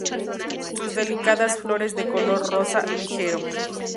Sus delicadas flores de color rosa ligero.